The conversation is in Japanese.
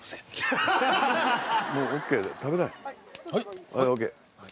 はい。